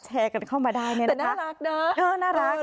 แชร์กันเข้ามาได้เนี่ยนะคะแต่น่ารักนะเออน่ารักนะคะ